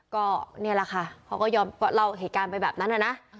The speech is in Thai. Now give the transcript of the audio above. ก็นี่แหละค่ะเขาก็ยอมเล่าเหตุการณ์ไปแบบนั้นนะ